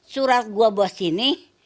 surat gua buat sini